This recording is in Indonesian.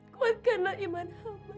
kuatkanlah iman hamba